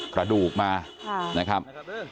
กระดูกมานะครับ